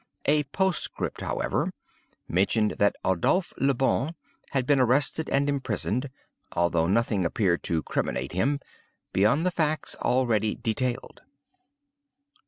A postscript, however, mentioned that Adolphe Le Bon had been arrested and imprisoned—although nothing appeared to criminate him, beyond the facts already detailed.